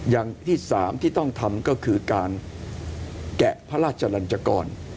อย่างที่สามที่ต้องทำก็คือการแกะพระราชลันจกร